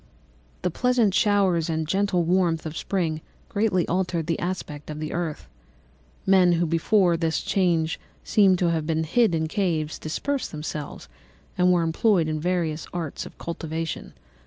"The pleasant showers and genial warmth of spring greatly altered the aspect of the earth. Men who before this change seemed to have been hid in caves dispersed themselves and were employed in various arts of cultivation.